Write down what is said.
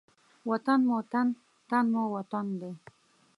وطن مو تن، تن مو وطن دی.